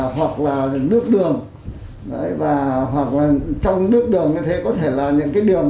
hoặc là nước đường hoặc là trong nước đường có thể là những cái đường